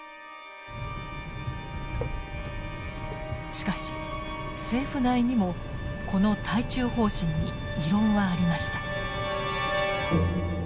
しかし政府内にもこの対中方針に異論はありました。